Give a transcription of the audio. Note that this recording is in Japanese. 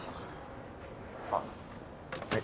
あっはい。